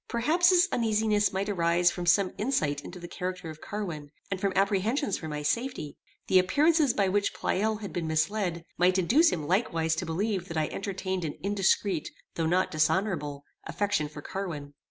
Perhaps his uneasiness might arise from some insight into the character of Carwin, and from apprehensions for my safety. The appearances by which Pleyel had been misled, might induce him likewise to believe that I entertained an indiscreet, though not dishonorable affection for Carwin.